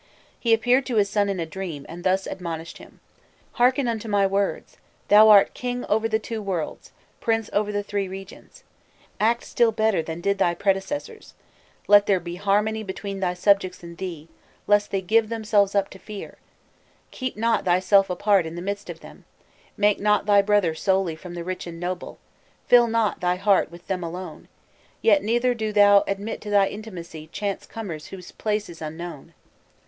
He appeared to his son in a dream, and thus admonished him: "Hearken unto my words! Thou art king over the two worlds, prince over the three regions. Act still better than did thy predecessors. Let there be harmony between thy subjects and thee, lest they give themselves up to fear; keep not thyself apart in the midst of them; make not thy brother solely from the rich and noble, fill not thy heart with them alone; yet neither do thou admit to thy intimacy chance comers whose place is unknown."